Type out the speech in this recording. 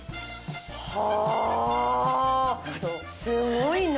はあすごいな。